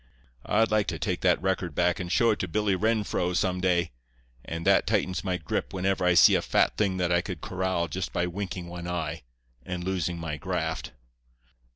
I'd like to take that record back and show it to Billy Renfrew some day; and that tightens my grip whenever I see a fat thing that I could corral just by winking one eye—and losing my graft.